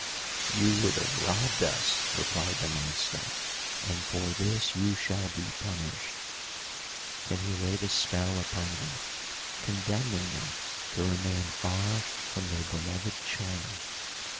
"You would have robbed us," replied the monster, "and for this you shall be punished." Then he laid a spell upon them, condemning them to remain far from their beloved China.